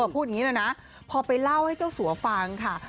พูดอย่างนี้เลยนะพอไปเล่าให้เจ้าสัวฟังค่ะ